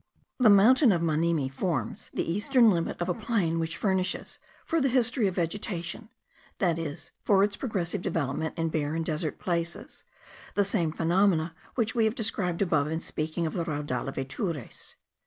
The mountain of Manimi forms the eastern limit of a plain which furnishes for the history of vegetation, that is, for its progressive development in bare and desert places, the same phenomena which we have described above in speaking of the raudal of Atures.